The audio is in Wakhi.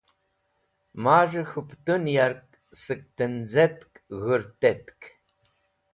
Maz̃hẽ k̃hũ pẽtun yark sẽk tẽnzẽtk (internet) g̃hũrtetk.